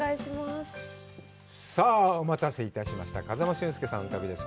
さあ、お待たせいたしました風間俊介さんの旅です。